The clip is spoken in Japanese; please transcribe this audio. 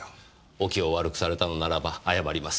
お気を悪くされたのならば謝ります。